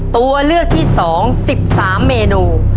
ตัวเลือกที่๒๑๓เมนู